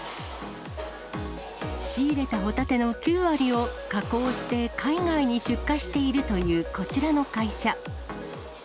仕入れたホタテの９割を加工して海外に出荷しているというこちらの会社。